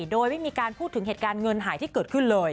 โดยไม่มีการพูดถึงเหตุการณ์เงินหายที่เกิดขึ้นเลย